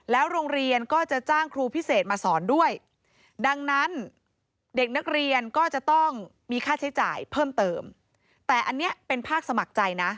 โรงเรียนก็จะจ้างครูพิเศษมาสอนด้วยดังนั้นเด็กนักเรียนก็จะต้องมีค่าใช้จ่ายเพิ่มเติมแต่อันนี้เป็นภาคสมัครใจนะ